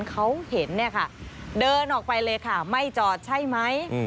เขาเห็นเดินออกไปเลยค่ะไม่จอดใช่ไหม